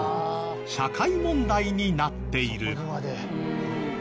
社会問題になっている。